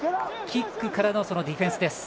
キックからのディフェンスです。